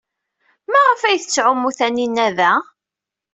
Maɣef ay tettɛumu Taninna da?